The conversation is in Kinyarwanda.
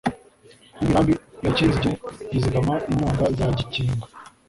N'imirambi ya Cyinzige Yizigama inyonga za Gikinga.